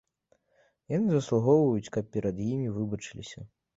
Яны заслугоўваюць, каб перад імі выбачыліся.